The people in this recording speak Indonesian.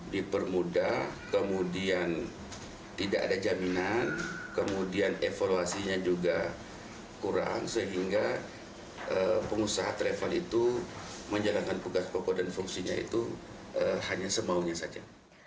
dipermudah kemudian tidak ada jaminan kemudian evaluasinya juga kurang sehingga pengusaha travel itu menjalankan tugas pokok dan fungsinya itu hanya semaunya saja